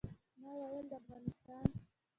ما ویل د افغانستان.